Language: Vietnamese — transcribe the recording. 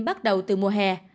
bắt đầu từ mùa hè